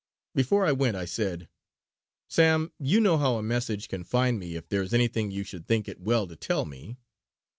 Before I went I said: "Sam, you know how a message can find me if there is anything you should think it well to tell me."